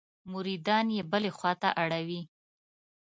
مریدان یې بلې خوا ته اړوي.